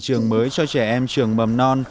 trường mới cho trẻ em trường mầm non